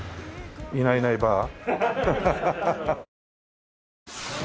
いないないばあ？